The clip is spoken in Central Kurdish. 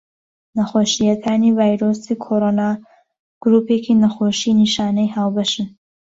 نەخۆشیەکانی ڤایرۆسی کۆڕۆنا گرووپێکی نەخۆشی نیشانەی هاوبەشن.